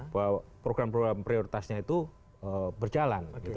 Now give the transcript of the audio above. bahwa program program prioritasnya itu berjalan